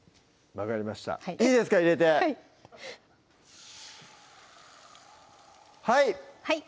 分かりましたいいですか入れてはいはい！